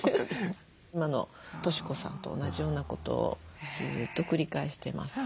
今の俊子さんと同じようなことをずっと繰り返してます。